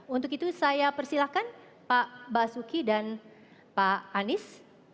untuk itu saya persilahkan pak basuki dan pak anies